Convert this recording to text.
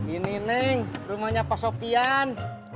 ini neng rumahnya pak sopian